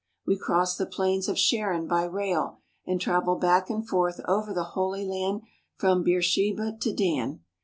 We cross the plains of Sharon by rail, and travel back and forth over the Holy Land from Beersheba to Dan.